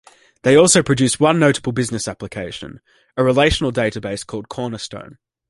They also produced one notable business application, a relational database called "Cornerstone".